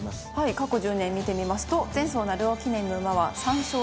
過去１０年見てみますと前走鳴尾記念の馬は。